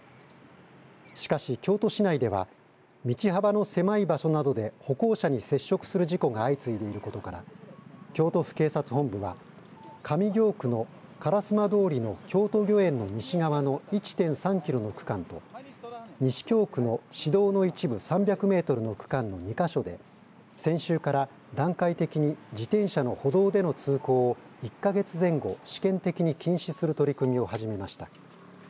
しかし、京都市内では道幅の狭い場所などで歩行者に接触する事故が相次いでいることから京都府警察本部は上京区の烏丸通の京都御苑の西側の１．３キロの区間と西京区の市道の一部３００メートルの区間の２か所で先週から段階的に自転車の歩道での通行を１か月前後、試験的に禁止する取り組みを始めました。